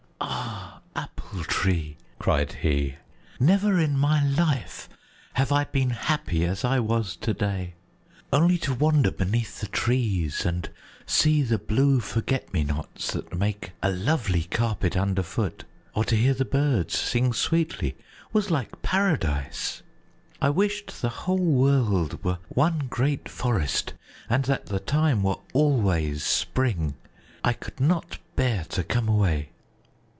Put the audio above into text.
"Ah, Apple Tree!" cried he, "never in my life have I been happy as I was to day. Only to wander beneath the trees and see the blue forget me nots that make a lovely carpet underfoot, or to hear the birds sing sweetly was like paradise. I wished the whole world were one great forest, and that the time were always spring. I could not bear to come away!"